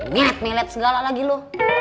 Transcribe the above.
niat niat segala lagi lu